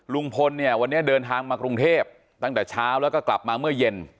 ลุงพลเนี่ยวันนี้เดินทางมากรุงเทพตั้งแต่เช้าแล้วก็กลับมาเมื่อเย็น